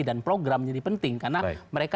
dan program menjadi penting karena mereka